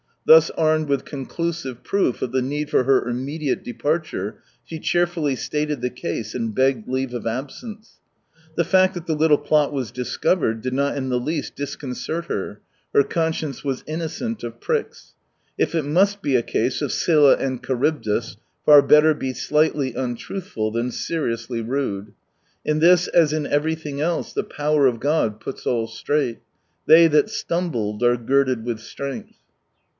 Thus armed with conclusive proof of the need for her immediate departure, she cheerfully stated the case, and begged leave of absence. The fact that the little plot was discovered did not in the least disconcert her ; her conscience was inno cent of pricks. If it iinist be a case of Scylla and Charybdis, far belter be slightly untruthful than seriously rude. In this, as in everything else, the power of God puts all straight. They that stumbled are girded with strength